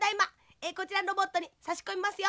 えこちらのロボットにさしこみますよ。